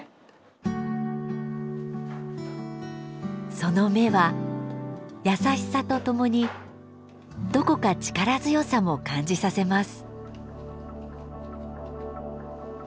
その目は優しさとともにどこか力強さも感じさせます。